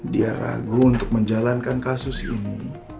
dia ragu untuk menjalankan kasus ini